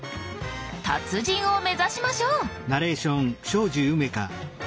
達人を目指しましょう！